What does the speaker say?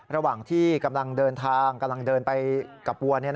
ระหว่างที่กำลังเดินทางกำลังเดินไปกับวัว